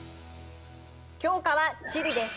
教科は地理です。